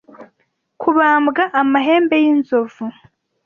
kubambwa amahembe y'inzovu